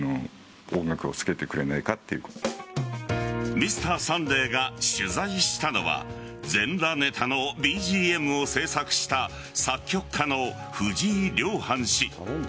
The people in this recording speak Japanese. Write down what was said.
「Ｍｒ．サンデー」が取材したのは全裸ネタのＢＧＭを制作した作曲家の藤井りょうはん氏。